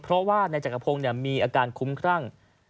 เพราะว่านายจักรพงศ์มีอาการคุ้มครั่ง